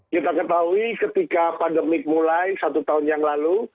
kita ketahui ketika pandemik mulai satu tahun yang lalu